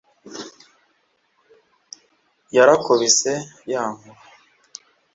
Yarakubise ya nkuba